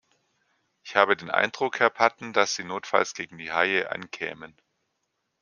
Ich habe den Eindruck, Herr Patten, dass Sie notfalls gegen die Haie ankämen.